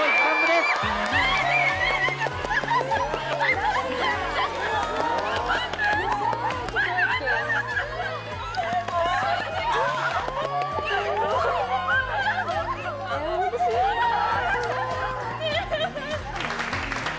・すごい！